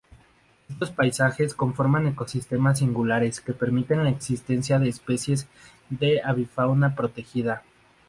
Estos paisajes conforman ecosistemas singulares que permiten la existencia de especies de avifauna protegida.